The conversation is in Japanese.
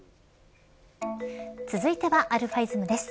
続いてはαｉｓｍです。